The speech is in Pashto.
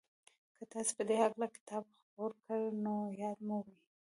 که تاسې په دې هکله کتاب خپور کړ نو ياد مو وي.